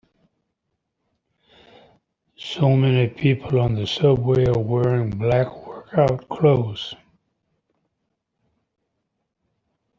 So many people on the subway are wearing black workout clothes.